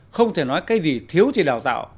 không thể nói cái gì thiếu thì đào tạo